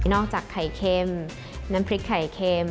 จากไข่เค็มน้ำพริกไข่เค็ม